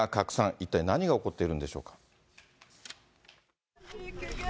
一体何が起こっているんでしょうか。